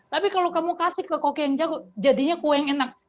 tapi kalau kamu kasih ke koki yang jago jadinya kue yang enak